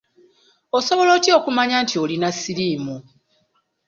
Osobola otya okumanya nti olina siriimu?